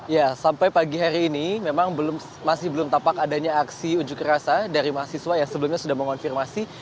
ya sampai pagi hari ini memang masih belum tampak adanya aksi unjuk rasa dari mahasiswa yang sebelumnya sudah mengonfirmasi